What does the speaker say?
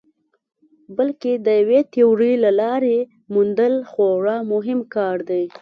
بلکې د یوې تیورۍ یا حللارې موندل خورا مهم کار دی.